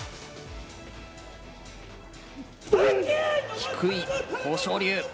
低い豊昇龍。